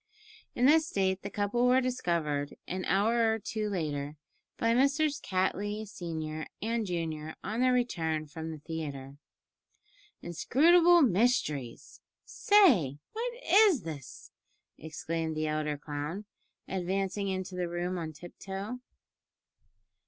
In this state the couple were discovered an hour or two later by Messrs. Cattley senior and junior on their return from the theatre. "Inscrutable mysteries! say, what is this?" exclaimed the elder clown, advancing into the room on tiptoe.